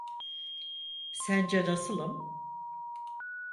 Sence nasılım?